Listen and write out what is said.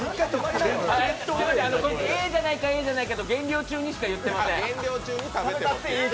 ええじゃないか、ええじゃないかと減量中にしか言ってません。